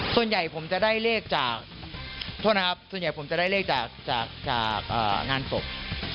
ส่วนใหญ่ผมจะได้เลขจากโทษนะครับส่วนใหญ่ผมจะได้เลขจากงานศพ